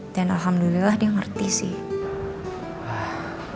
dan alhamdulillah dia ngerti sih